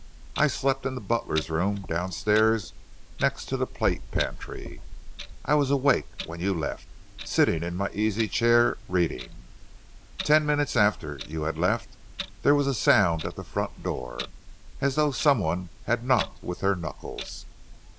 I slept in the butler's room downstairs, next to the plate pantry. I was awake when you left, sitting in my easy chair, reading. Ten minutes after you had left, there was a sound at the front door as though some one had knocked with their knuckles.